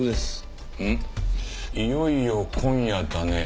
「いよいよ今夜だね」